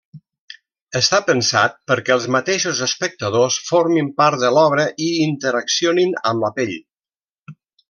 Està pensat perquè els mateixos espectadors formin part de l’obra i interaccionin amb la pell.